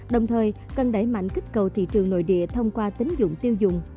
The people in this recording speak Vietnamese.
đồng thời cần đẩy mạnh kích cầu thị trường nội địa thông qua tính dụng tiêu dùng